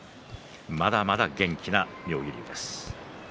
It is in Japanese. まだまだ元気な妙義龍です。